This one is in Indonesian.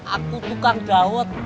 aku tukang dawet